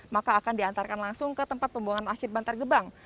maka akan diantarkan langsung ke tempat pembuangan akhir bantar gebang